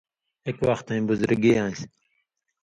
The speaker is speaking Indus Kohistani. ایک وختَیں بُزُرگی آن٘سیۡ،